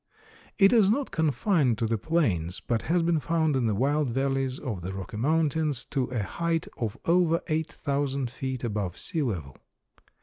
It is not confined to the plains, but has been found in the wild valleys of the Rocky mountains to a height of over eight thousand feet above sea level.